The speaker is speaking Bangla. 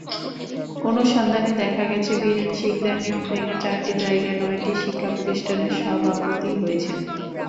অনুসন্ধানে দেখা গেছে, বীরেন শিকদার নিয়ম ভেঙে চারটির জায়গায় নয়টি শিক্ষাপ্রতিষ্ঠানের সভাপতি হয়েছেন।